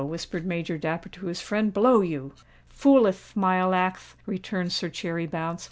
whispered Major Dapper to his friend; "blow you!" "Fooleth Thmilackth!" returned Sir Cherry Bounce.